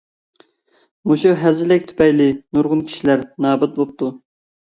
مۇشۇ ھەزىلەك تۈپەيلى نۇرغۇن كىشىلەر نابۇت بوپتۇ.